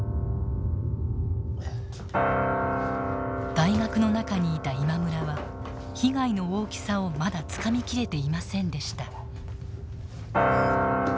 大学の中にいた今村は被害の大きさをまだつかみきれていませんでした。